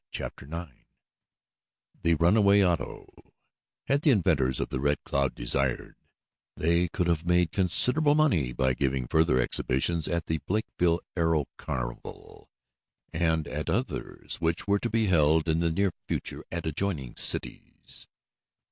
Chapter 9 The Runaway Auto Had the inventors of the Red Cloud desired, they could have made considerable money by giving further exhibitions at the Blakeville Aero Carnival, and at others which were to be held in the near future at adjoining cities.